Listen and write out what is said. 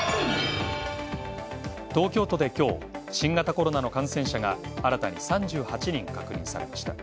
東京都で今日新型コロナの感染者が新たに３８人確認されました。